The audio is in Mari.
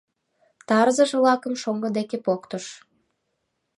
Тарзыж-влакым шоҥго деке поктыш